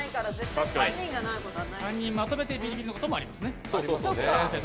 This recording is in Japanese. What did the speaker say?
３人まとめてビリビリということもありますね。